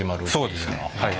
そうですねはい。